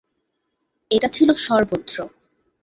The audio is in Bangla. এটা ছিল সর্বত্র!